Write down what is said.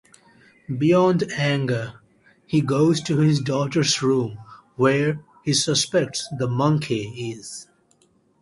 Beyond anger, he goes to his daughter's room where he suspects the monkey is.